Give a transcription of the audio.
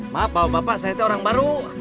maaf bapak saya itu orang baru